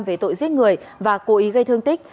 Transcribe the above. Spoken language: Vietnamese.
về tội giết người và cố ý gây thương tích